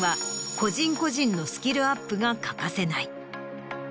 個人個人のスキルアップが欠かせない。